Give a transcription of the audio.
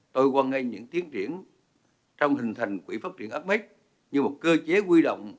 tôi quan ngay những tiến triển trong hình thành quỹ phát triển ames như một cơ chế quy động